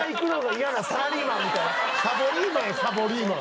サボリーマンやサボリーマン。